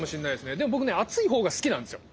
でも僕ね暑い方が好きなんですよ。